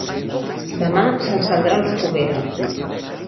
Demà s'encendrà una foguera.